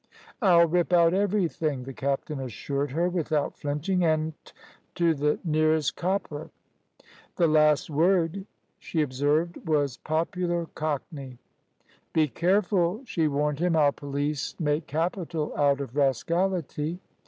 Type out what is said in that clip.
"I'll rip out everything" the captain assured her without flinching; "an' t' th' nearest copper" the last word, she observed, was popular cockney. "Be careful," she warned him; "our police make capital out of rascality."